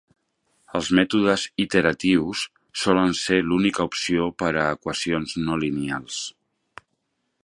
Els mètodes iteratius solen ser l'única opció per a equacions no lineals.